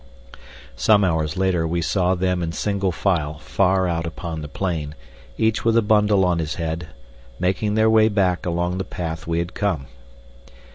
Some hours later we saw them in single file far out upon the plain, each with a bundle on his head, making their way back along the path we had come.